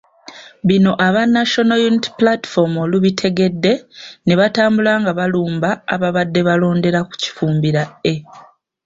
Bino aba National Unity Platform olubitegedde ne batambula nga balumba ababadde balondera ku Kifumbira A.